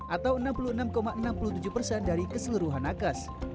atau enam puluh enam enam puluh tujuh persen dari keseluruhan nakes